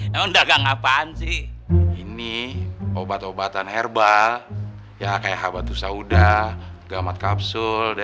rom yang dikumpulkan ke rumah yang lain